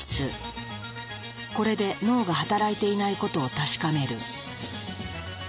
これで脳が働いていないことを確かめる。